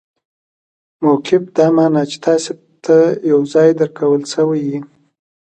موقف دا مانا، چي تاسي ته یو ځای درکول سوی يي.